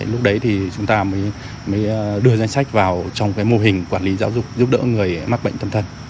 lúc đấy thì chúng ta mới đưa danh sách vào trong mô hình quản lý giáo dục giúp đỡ người mắc bệnh tâm thần